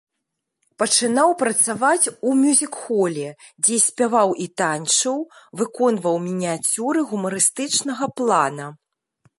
Пачынаў працаваць у мюзік-холе, дзе спяваў і танчыў, выконваў мініяцюры гумарыстычнага плана.